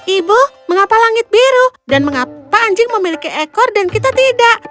ibu mengapa langit biru dan mengapa anjing memiliki ekor dan kita tidak